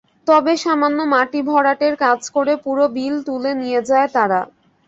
তবে সামান্য মাটি ভরাটের কাজ করে পুরো বিল তুলে নিয়ে যায় তারা।